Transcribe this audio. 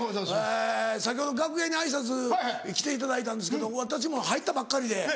先ほど楽屋に挨拶来ていただいたんですけど私も入ったばっかりで。